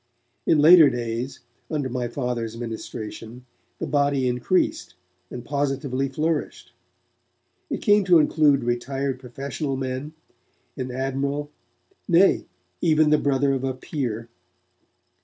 In later days, under my Father's ministration, the body increased and positively flourished. It came to include retired professional men, an admiral, nay, even the brother of a peer.